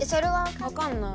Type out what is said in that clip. わかんない。